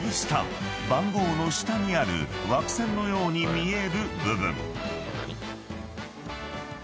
［番号の下にある枠線のように見える部分］